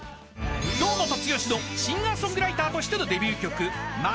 ［堂本剛のシンガーソングライターとしてのデビュー曲『街』］